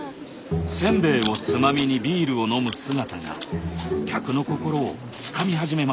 せんべいをつまみにビールを飲む姿が客の心をつかみ始めました。